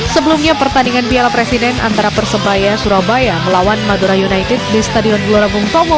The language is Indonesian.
sebelumnya pertandingan piala presiden antara persebaya surabaya melawan madura united di stadion kelora bungkoma